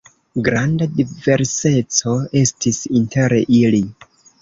Granda diverseco estis inter ili.